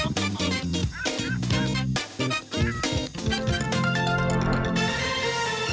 โปรดติดตามตอนต่อไป